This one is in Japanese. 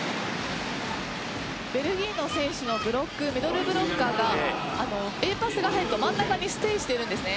ベルギーの選手のブロックはミドルブロッカーがＡパスが入ると真ん中にステイしているんですね。